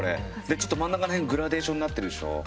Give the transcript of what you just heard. ちょっと真ん中らへんグラデーションになってるでしょ。